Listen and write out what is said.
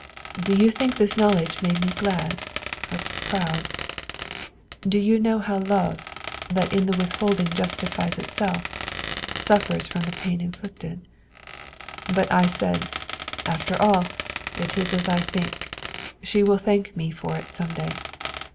Do you think this knowledge made me glad or proud? Do you know how love, that in the withholding justifies itself, suffers from the pain inflicted? But I said, 'After all, it is as I think; she will thank me for it some day.